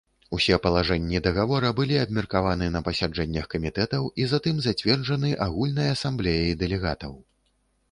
Усе палажэнні дагавора былі абмеркаваны на пасяджэннях камітэтаў і затым зацверджаны агульнай асамблеяй дэлегатаў.